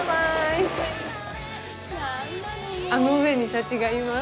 あの上にシャチがいます。